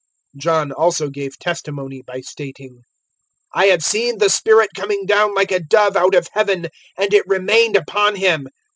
001:032 John also gave testimony by stating: "I have seen the Spirit coming down like a dove out of Heaven; and it remained upon Him.